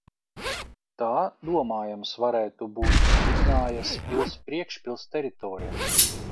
Tā, domājams, varētu būt Dignājas pils priekšpils teritorija.